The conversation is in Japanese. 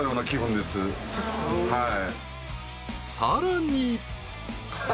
［さらに］